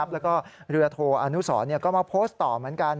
แล้วก็เรือโทอนุสรก็มาโพสต์ต่อเหมือนกัน